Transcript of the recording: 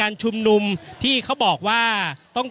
อย่างที่บอกไปว่าเรายังยึดในเรื่องของข้อ